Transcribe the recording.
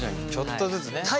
ちょっとずつね。